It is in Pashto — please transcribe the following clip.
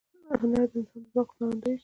هنر د انسان د ذوق ښکارندویي کوي.